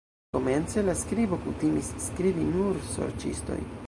Komence, la skribo kutimis skribi nur sorĉistoj.